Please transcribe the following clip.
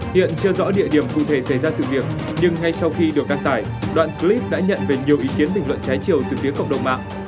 hiện chưa rõ địa điểm cụ thể xảy ra sự việc nhưng ngay sau khi được đăng tải đoạn clip đã nhận về nhiều ý kiến bình luận trái chiều từ phía cộng đồng mạng